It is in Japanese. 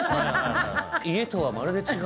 家とはまるで違う。